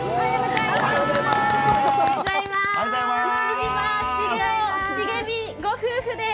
牛島茂雄・繁美ご夫婦です。